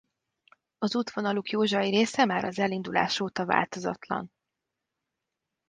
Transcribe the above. Az útvonaluk Józsai része már az elindulás óta változatlan.